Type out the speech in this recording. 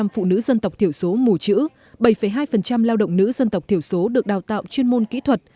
một mươi phụ nữ dân tộc thiểu số mù chữ bảy hai lao động nữ dân tộc thiểu số được đào tạo chuyên môn kỹ thuật